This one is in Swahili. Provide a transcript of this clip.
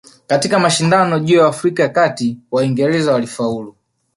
Katika mashindano juu ya Afrika ya Kati Waingereza walifaulu